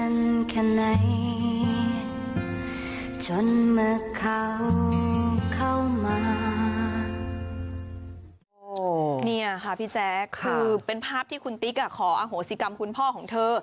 นี่ค่ะพี่แจ๊คคือเป็นภาพที่คุณติ๊กขออโหสิกรรมคุณพ่อของเธอ